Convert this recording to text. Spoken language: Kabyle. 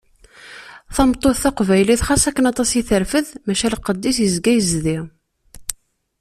Tameṭṭut taqbaylit, xas akken aṭas i terfed, maca lqed-is yezga yezdi